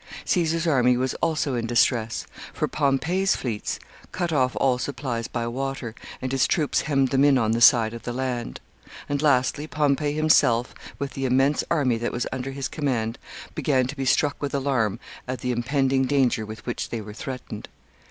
Caesar's army was also in distress, for Pompey's fleets cut off all supplies by water, and his troops hemmed them in on the side of the land; and, lastly, Pompey himself, with the immense army that was under his command, began to be struck with alarm at the impending danger with which they were threatened.